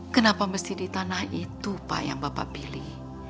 kenapa mesti di tanah itu pak yang bapak pilih